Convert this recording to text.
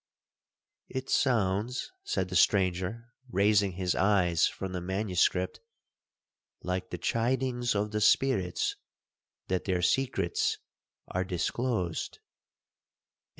'It sounds,' said the stranger, raising his eyes from the manuscript, 'like the chidings of the spirits, that their secrets are disclosed!'